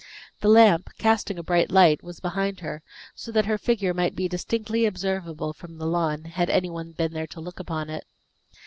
The lamp, casting a bright light, was behind her, so that her figure might be distinctly observable from the lawn, had any one been there to look upon it.